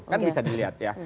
kan bisa dilihat ya